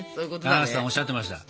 棚橋さんおっしゃってました。